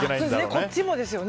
こっちもですよね。